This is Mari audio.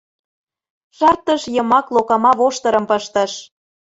Шартыш йымак локама воштырым пыштыш.